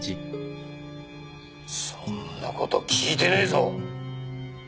そんな事聞いてねえぞ！